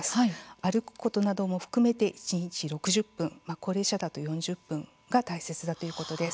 歩くことなども含めて一日６０分、高齢者だと４０分が大切だということです。